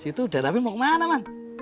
situ udah rabi mau kemana man